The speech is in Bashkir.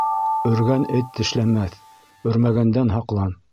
Өргән эт тешләмәҫ, өрмәгәндән һаҡлан.